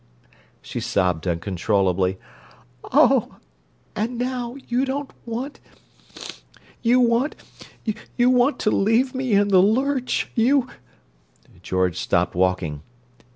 She sobbed uncontrollably. "Oh! and now—you don't want—you want—you want to leave me in the lurch! You—" George stopped walking.